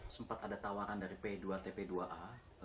sempat ada tawaran dari p dua tp dua a